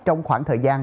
trong khoảng thời gian